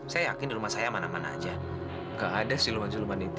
saya yakin di rumah saya mana mana aja gak ada siluman siluman itu